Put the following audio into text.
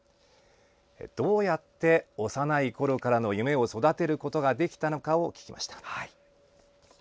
どうやって幼いころからの夢を育てることができたのかを聞きました。